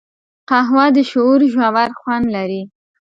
قهوه د شعور ژور خوند لري